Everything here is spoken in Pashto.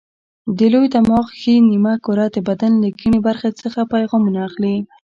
د لوی دماغ ښي نیمه کره د بدن له کیڼې برخې څخه پیغامونه اخلي.